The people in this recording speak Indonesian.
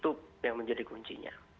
itu yang menjadi kuncinya